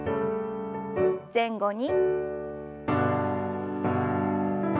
前後に。